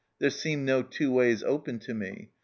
There seemed no two ways open to me.